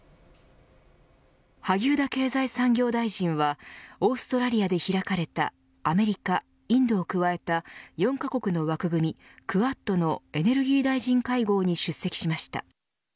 萩生田経済産業大臣はオーストラリアで開かれたアメリカ、インドを加えた４カ国の枠組み、クアッドのエネルギー大臣会合に出席しました。